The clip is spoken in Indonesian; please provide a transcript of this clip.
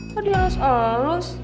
kok dia halus halus